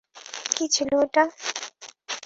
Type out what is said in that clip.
কি ছিল এটা?